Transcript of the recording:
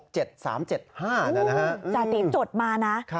จาติจดมานะ